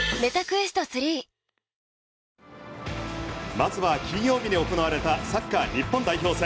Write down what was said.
まずは金曜日に行われたサッカー日本代表戦。